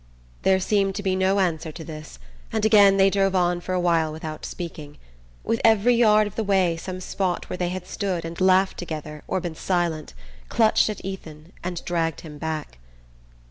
There seemed to be no answer to this, and again they drove on for a while without speaking. With every yard of the way some spot where they had stood, and laughed together or been silent, clutched at Ethan and dragged him back.